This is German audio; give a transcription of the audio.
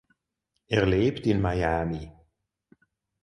Er lebt in Miami.